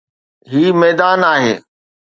هي ميدان آهي.